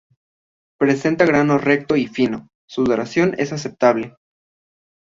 Presenta grano recto y fino, su duración es aceptable.